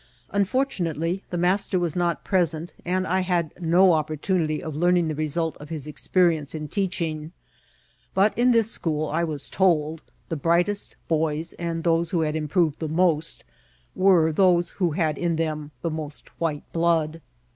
Unfortunately, the master was not present, and I had no opportunity of learning the result of his experience in teaching ; but in this school, I was told, the brightest boys, and those who had improved most, were those who had in them the most white blood.